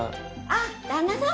あっ旦那様？